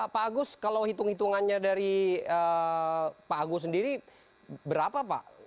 pak agus kalau hitung hitungannya dari pak agus sendiri berapa pak